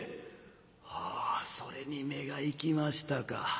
「ああそれに目が行きましたか。